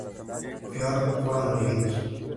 John fueron elegidos.